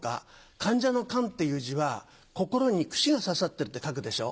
患者の「患」っていう字は「心」に「串」が刺さってるって書くでしょ。